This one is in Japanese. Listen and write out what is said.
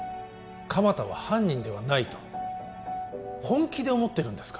鎌田は犯人ではないと本気で思ってるんですか？